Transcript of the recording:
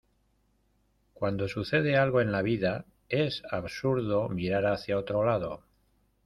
cuando sucede algo en la vida es absurdo mirar hacia otro lado